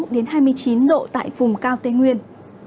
năm mươi sáu hai mươi chín độ tại vùng cao tây nguyên